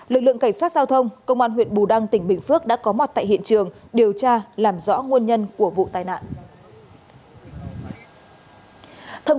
lực lượng cảnh sát giao thông công an huyện bù đăng tỉnh bình phước đã có mặt tại hiện trường điều tra làm rõ nguồn nhân của vụ tai nạn